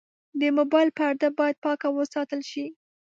د موبایل پرده باید پاکه وساتل شي.